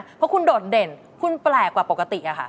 เพราะคุณโดดเด่นคุณแปลกกว่าปกติค่ะ